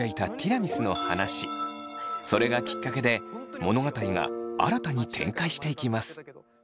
それがきっかけで物語が新たに展開していきます。